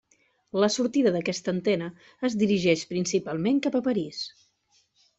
La sortida d'aquesta antena es dirigeix principalment cap a París.